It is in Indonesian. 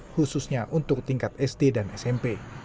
khususnya untuk tingkat sd dan smp